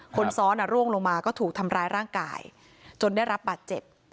คนซ้อนร่วงลงมาก็ถูกทำร้ายร่างกายจนได้รับบาดเจ็บ